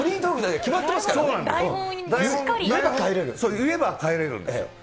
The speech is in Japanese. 言えば帰れるんですよ。